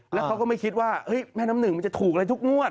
แล้วเขาก็ไม่คิดว่าแม่น้ำหนึ่งมันจะถูกอะไรทุกงวด